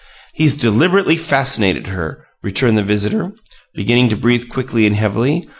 "He's deliberately fascinated her," returned the visitor, beginning to breathe quickly and heavily.